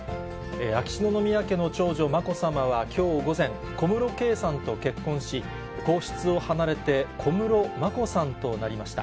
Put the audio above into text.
秋篠宮家の長女、まこさまはきょう午前、小室圭さんと結婚し、皇室を離れて、小室眞子さんとなりました。